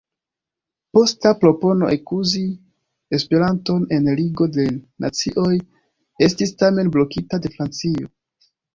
Posta propono ekuzi Esperanton en Ligo de Nacioj estis tamen blokita de Francio.